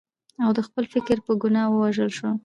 او د خپل فکر په ګناه ووژل شو.